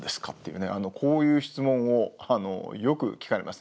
こういう質問をよく聞かれます。